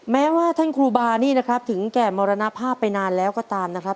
แม้ว่าท่านครูบานี่นะครับถึงแก่มรณภาพไปนานแล้วก็ตามนะครับ